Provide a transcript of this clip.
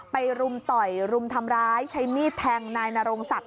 รุมต่อยรุมทำร้ายใช้มีดแทงนายนรงศักดิ